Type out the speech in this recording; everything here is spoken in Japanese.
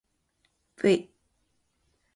ｖ